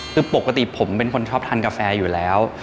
คือปกติผมเป็นคนชอบทานกาแฟอยู่แล้ว